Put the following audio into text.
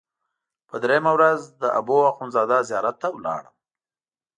په درېیمه ورځ د حبوا اخندزاده زیارت ته لاړم.